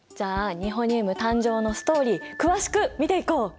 誕生のストーリー詳しく見ていこう！